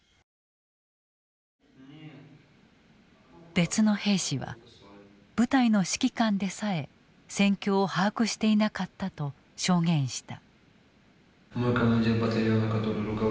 別の兵士は部隊の指揮官でさえ戦況を把握していなかったと証言した。